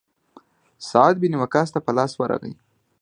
سعد بن وقاص ته په لاس ورغی.